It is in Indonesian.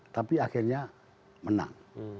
tapi akhirnya menang